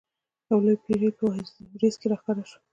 یو لوی پیری په وریځ کې را ښکاره شو.